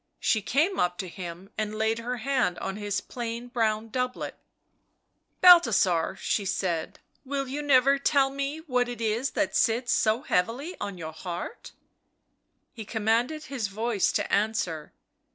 She came up to him and laid her hand on his plain brown doublet. " Balthasar," she said, " will you never tell me what it is that sits so heavily on your heart 1 ?" He commanded his voice to answer.